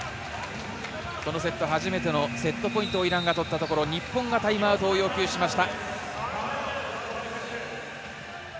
このセット、初めてのセットポイントをイランが取ったところ日本がタイムアウトを要求しました。